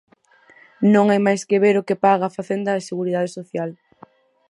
Non hai máis que ver o que paga a Facenda e Seguridade Social.